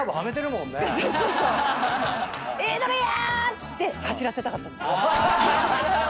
っつって走らせたかった。